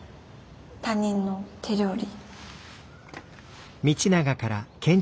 他人の手料理。